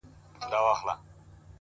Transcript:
o گراني زر واره درتا ځار سمه زه،